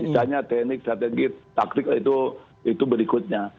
misalnya teknik strategi taktik itu berikutnya